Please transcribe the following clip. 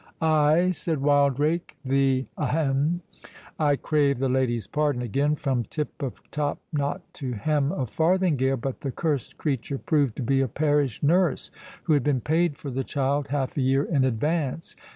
"Ay," said Wildrake, "the—a hem!—I crave the lady's pardon again, from tip of top knot to hem of farthingale—but the cursed creature proved to be a parish nurse, who had been paid for the child half a year in advance.